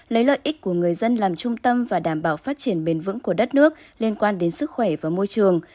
lấy lợi ích của người dân làm trung tâm và đảm bảo phát triển bền vững của đất nước liên quan đến sức khỏe và môi trường